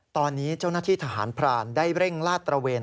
ตอนนี้เจ้าหน้าที่ทหารพรานได้เร่งลาดตระเวน